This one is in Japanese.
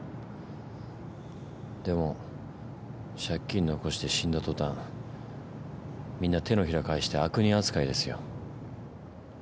でも借金残して死んだ途端みんな手のひら返して悪人扱いですよ。